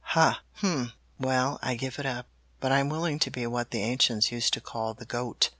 Ha! Hum! Well, I give it up, but I'm willing to be what the ancients used to call the Goat.